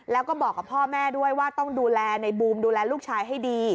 แล้วก็บอกกับพ่อแม่ด้วยว่าต้องดูแลในบูมดูแลลูกชายให้ดี